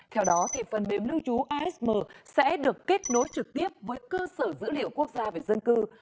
theo đó thì phần mềm lưu trú asm sẽ được kết nối trực tiếp với cơ sở dữ liệu quốc gia về dân cư